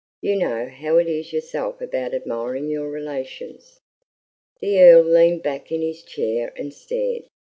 You know how it is yourself about admiring your relations." The Earl leaned back in his chair and stared.